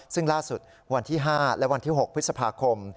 ซึ่งล่าสุดวันที่๕และวันที่๖พฤษภาคม